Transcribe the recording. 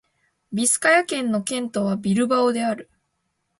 ビスカヤ県の県都はビルバオである